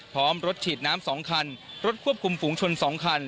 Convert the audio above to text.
พร้อมรถฉีดน้ำ๒คันรถควบคุมฝูงชน๒คัน